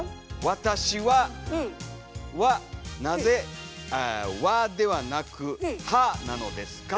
「わたし『は』はなぜ『わ』ではなく『は』なのですか？」。